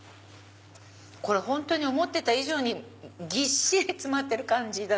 これ本当に思ってた以上にぎっしり詰まってる感じ。